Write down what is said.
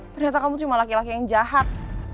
ternyata kamu cuma laki laki yang jahat